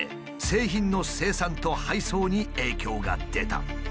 製品の生産と配送に影響が出た。